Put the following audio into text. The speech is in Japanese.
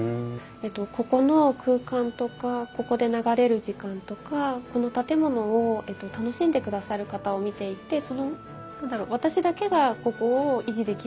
ここの空間とかここで流れる時間とかこの建物を楽しんでくださる方を見ていてその何だろう私だけがここを維持できるとは思ってないんです。